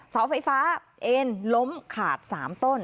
เสาไฟฟ้าเอ็นล้มขาด๓ต้น